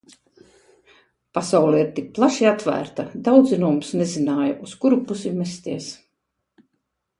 Pasaule ir tik plaši atvērta, daudzi no mums nezināja, uz kuru pusi mesties.